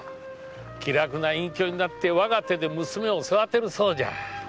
気楽な隠居になって我が手で娘を育てるそうじゃ。